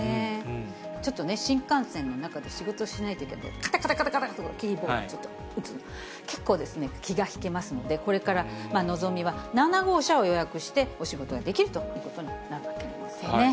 ちょっとね、新幹線の中で仕事しないといけないと、かたかたかたってキーボード打つの、ちょっとね、結構気が引けますので、これからのぞみは７号車を予約してお仕事ができるということになるわけなんですよね。